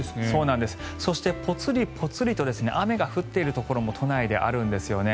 そして、ぽつりぽつりと雨が降っているところも都内であるんですよね。